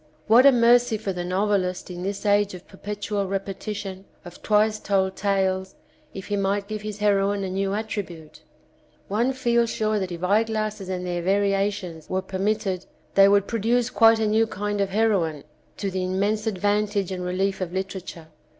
What a mercy for the novelist in this age of perpetual repetition, of twice told tales, if he might give his heroine a new attribute! One feels sure that if eyeglasses and their variations were permitted they would pro duce quite a new kind of heroine, to the 223 The Champagne Standard immense advantage and relief of literature.